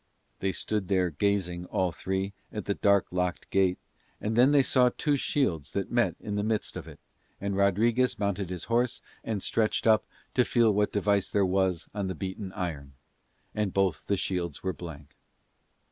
They stood there gazing, all three, at the dark locked gate, and then they saw two shields that met in the midst of it, and Rodriguez mounted his horse and stretched up to feel what device there was on the beaten iron; and both the shields were blank.